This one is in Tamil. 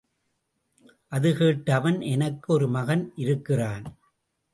அது கேட்ட அவன், எனக்கு ஒரு மகன் இருக்கிறான்.